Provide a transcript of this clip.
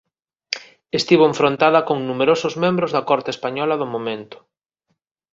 Estivo enfrontada con numerosos membros da Corte española do momento.